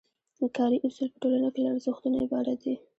کاري اصول په ټولنه کې له ارزښتونو عبارت دي.